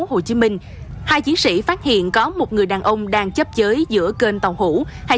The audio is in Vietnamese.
hồ chí minh hai chiến sĩ phát hiện có một người đàn ông đang chấp chới giữa kênh tàu hủ hay